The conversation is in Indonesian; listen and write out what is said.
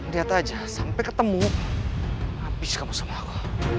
lihat aja sampai ketemu habis kamu sama aku